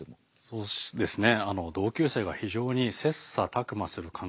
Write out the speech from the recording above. そうですね。